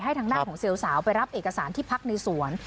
ทางด้านของเซลล์สาวไปรับเอกสารที่พักในสวน